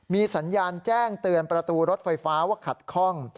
มีสัญญาณแจ้งเตือนประตูรถไฟฟ้าว่าขัดคล่อง